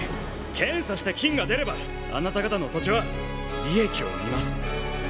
検査して金が出ればあなた方の土地は利益を生みます。